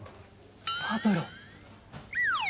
パブロ。